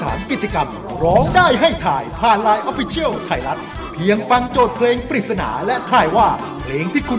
หนูก็มีความในใจอยากบอกพี่เฟคกี้เหมือนกัน